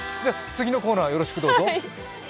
次のコーナーよろしくどうぞ。